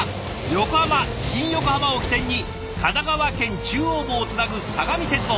横浜新横浜を起点に神奈川県中央部をつなぐ相模鉄道。